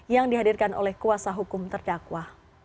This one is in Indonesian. yang dihadirkan oleh kuasa hukum terdakwa